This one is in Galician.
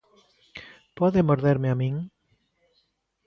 Pode morderme a min?